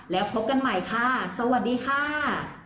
แล้วพบกันใหม่ค่ะสวัสดีค่ะ